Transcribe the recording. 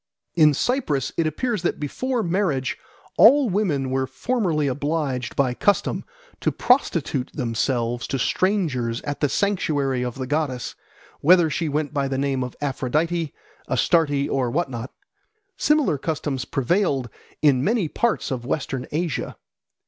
In Cyprus it appears that before marriage all women were formerly obliged by custom to prostitute themselves to strangers at the sanctuary of the goddess, whether she went by the name of Aphrodite, Astarte, or what not. Similar customs prevailed in many parts of Western Asia.